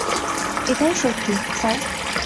এটাই সত্যি, স্যার।